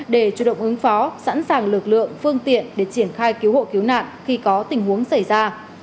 để chủ động ứng phó sẵn sàng lực lượng phương tiện để triển khai cứu hộ cứu nạn khi có tình huống xảy ra